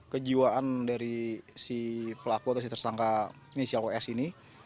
kejiwaan dari si pelaku atau si tersangka inisial ws ini